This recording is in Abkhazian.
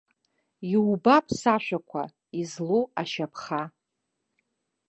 Иубап сашәақәа, излоу ашьаԥха.